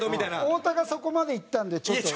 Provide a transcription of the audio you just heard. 太田がそこまで言ったんでちょっと。